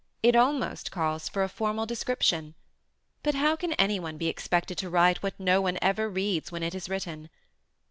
It almost calls for a formal description ; but how can any one be expected to write what no one ever reads when it is written?